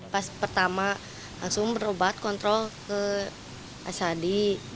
pas pertama langsung berobat kontrol ke asadi